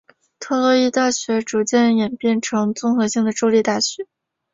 特洛伊大学逐渐演变成综合性的州立大学。